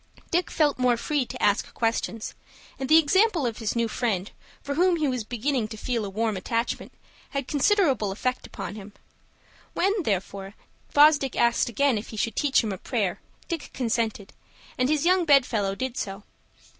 Dick felt more free to ask questions, and the example of his new friend, for whom he was beginning to feel a warm attachment, had considerable effect upon him. When, therefore, Fosdick asked again if he should teach him a prayer, Dick consented, and his young bedfellow did so.